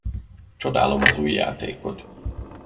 Csodálom az ujjátékod.